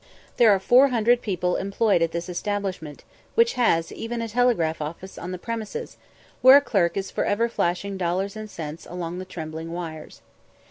There are 400 people employed at this establishment, which has even a telegraph office on the premises, where a clerk is for ever flashing dollars and cents along the trembling wires.